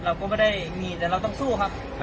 เราก็ไม่ได้มีแต่เราต้องสู้ครับ